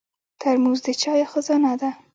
ترموز د چایو خزانه ده.